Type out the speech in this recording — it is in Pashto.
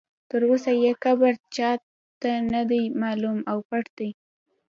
تر اوسه یې قبر چا ته نه دی معلوم او پټ دی.